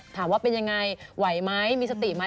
ถามว่าเป็นยังไงไหวไหมมีสติไหม